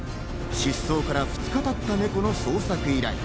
失踪から２日経ったネコの捜索依頼。